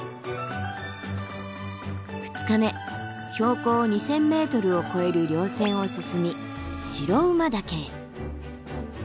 ２日目標高２，０００ｍを超える稜線を進み白馬岳へ。